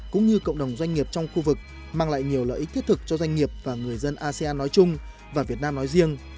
cũng như cộng đồng doanh nghiệp trong khu vực mang lại nhiều lợi ích thiết thực cho doanh nghiệp và người dân asean nói chung và việt nam nói riêng